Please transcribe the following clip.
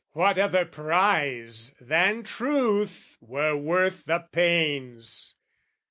What other prize than truth were worth the pains?